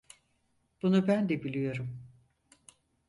Bunu ben de biliyorum.